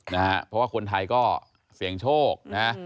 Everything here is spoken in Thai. เพราะว่าคนไทยก็เสี่ยงโชค